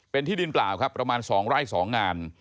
เป็นที่ดินเปล่าครับประมาณ๒ไร่๒งาน